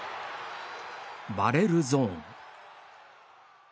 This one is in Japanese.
バレルゾーン。